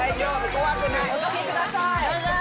お掛けください。